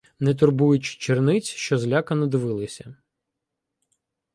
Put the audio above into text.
Не турбуючи черниць, що злякано дивилися